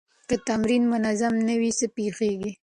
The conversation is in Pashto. که تمرین منظم نه وي، څه پېښېږي؟